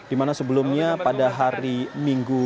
di mana sebelumnya pada hari minggu